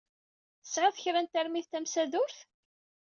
Tesɛiḍ kra n termit tamsadurt?